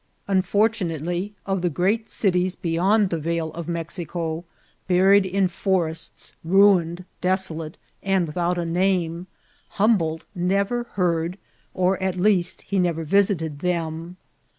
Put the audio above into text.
Unfortunately, of the great cities beyond the Vale of Mexico, buried in. forests, ruined, desolate, and without a name, Humboldt never heard, or, at least, HI8T0ET OF COPAN. 99 he nerer visited them.